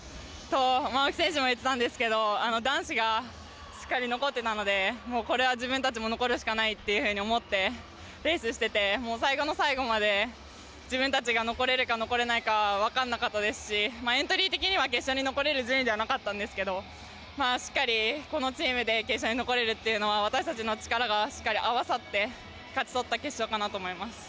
青木選手も言っていたんですが男子がしっかり残っていたのでこれは自分たちも残るしかないと思ってレースしていて最後の最後まで自分たちが残れるか残れないかわからなかったですしエントリー的には決勝に残れる順位ではなかったんですがしっかりこのチームで決勝に残れるのは、私たちの力がしっかり合わさって勝ち取った決勝かなと思います。